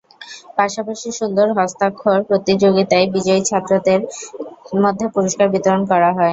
পাশাপাশি সুন্দর হস্তাক্ষর প্রতিযোগিতায় বিজয়ী ছাত্রছাত্রীদের মধ্যে পুরস্কার বিতরণ করা হয়।